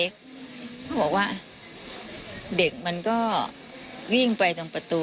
เขาบอกว่าเด็กมันก็วิ่งไปตรงประตู